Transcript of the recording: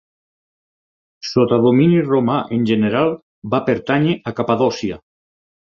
Sota domini romà en general va pertànyer a Capadòcia.